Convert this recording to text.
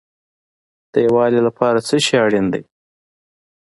د یووالي لپاره څه شی اړین دی؟